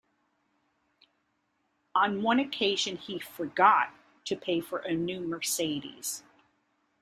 On one occasion he 'forgot' to pay for a new Mercedes.